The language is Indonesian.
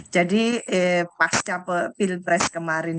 jadi pas capil press kemarin